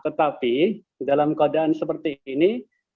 tetapi dalam keadaan seperti ini